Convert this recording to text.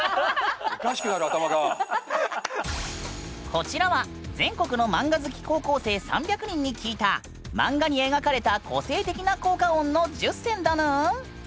こちらは全国のマンガ好き高校生３００人に聞いたマンガに描かれた個性的な効果音の１０選だぬん。